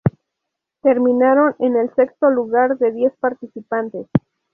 Terminaron en el sexto lugar de diez participantes.